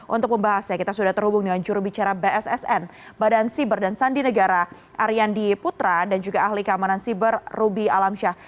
untuk pembahasnya kita sudah terhubung dengan jurubicara bssn badan siber dan sandi negara ariandi putra dan juga ahli keamanan siber ruby alamsyah